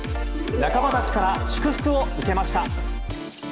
仲間たちから祝福を受けまし